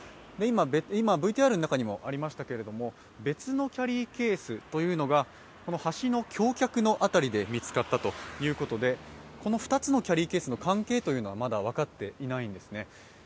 今、ＶＴＲの中にもありましたが、別のキャリーケースというのが橋の橋脚の辺りで見つかったということでこの２つのキャリーケースの関係はまだ分かっていないんですね。